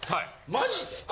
マジっすか！？